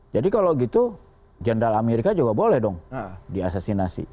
jadi kalau gitu jenderal amerika juga boleh dong di asasinasi